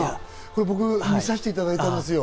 僕、見させていただいたんですよ。